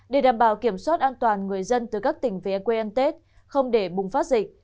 để đảm bảo kiểm soát an toàn người dân từ các tỉnh về quê ăn tết không để bùng phát dịch